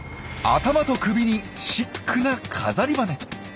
頭と首にシックな飾り羽。